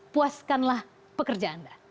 puaskanlah pekerja anda